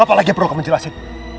apalagi perlu kamu jelasin